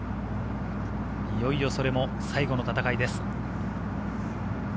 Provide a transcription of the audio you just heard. いよいよそれも最後の戦いです。